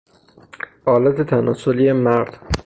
آلت تناسلی مرد